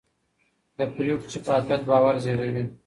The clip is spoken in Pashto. د پرېکړو شفافیت باور زېږوي